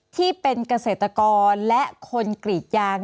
ที่เป็นเกษตรกรและคนกรีดยาง